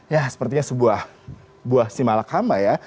ya sepertinya sebuah buah simalakamba ya